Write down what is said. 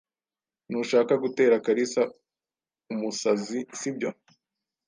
Ntushaka gutera Kalisa umusazi, sibyo?